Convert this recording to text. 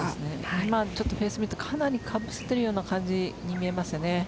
今フェース見るとかなりかぶせてる感じに見えますね。